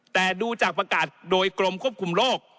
แต่ดูจากประกาศโดยกรมควบคุมโรค